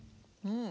うん。